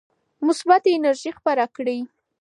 مثبته انرژي خپره کړئ.